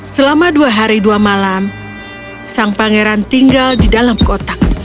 selama dua hari dua malam sang pangeran tinggal di dalam kotak